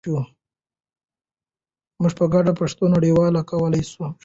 موږ په ګډه پښتو نړیواله کولای شو.